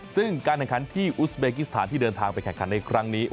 ซึ่งการแข่งขันที่อุสเบกิสถานที่เดินทางไปแข่งขันในครั้งนี้